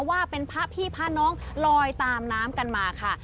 ว่าเป็นพระพี่พระน้องลอยตามน้ำกันมาค่ะ